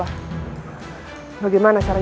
aku hanya sebuah muchosan